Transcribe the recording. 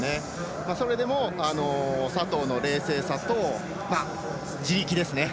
それでも、佐藤の冷静さと地力ですね。